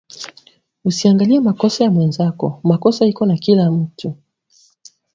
Usiangalie makosa ya mwenzako makosa iko na kila mutu